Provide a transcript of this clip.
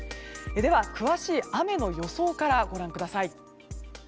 では、詳しい雨の予想からご覧ください。